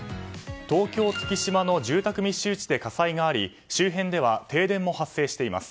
東京・月島の住宅密集地で火災があり周辺では停電も発生しています。